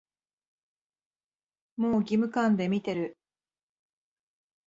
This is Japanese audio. もう義務感で見てる